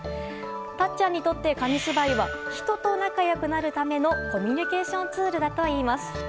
たっちゃんにとって紙芝居は人と仲良くなるためのコミュニケーションツールだといいます。